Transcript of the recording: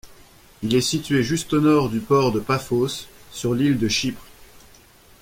Il est situé juste au nord du port de Paphos, sur l'île de Chypre.